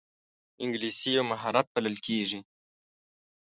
انګلیسي یو مهارت بلل کېږي